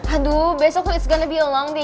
aduh besoknya it's gonna be long deh